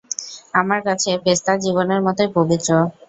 আমার কাছে, পেস্তা জীবনের মতোই পবিত্র।